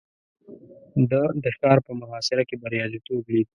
ده د ښار په محاصره کې برياليتوب ليد.